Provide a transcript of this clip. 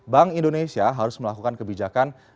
bank indonesia harus melakukan kebijakan